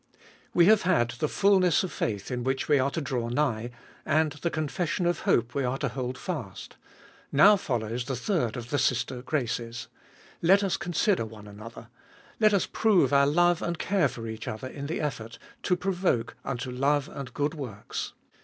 WE have had the fulness of faith in which we are to draw nigh, and the confession of hope we are to hold fast, now follows the third of the sister graces : Let us consider one another — let us prove our love and care for each other in the effort — to provoke unto love and good works.